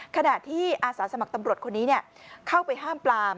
ขณะที่อาสาสมัครตำรวจคนนี้เข้าไปห้ามปลาม